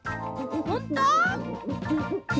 ほんと？